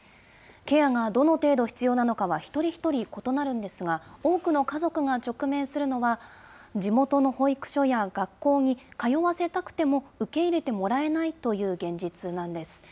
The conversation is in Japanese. ケアがどの程度必要なのかは一人一人異なるんですが、多くの家族が直面するのは、地元の保育所や学校に通わせたくても受け入れてもらえないという現実なんです。